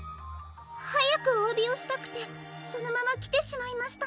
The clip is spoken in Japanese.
はやくおわびをしたくてそのままきてしまいましたの。